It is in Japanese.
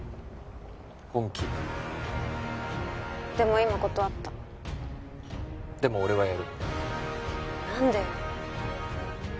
本気でも今断ったでも俺はやる何でよ